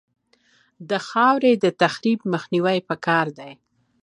د خاورې تخریب مخنیوی پکار دی